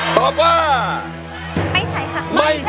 ตอบว่าไม่ใช้ค่ะ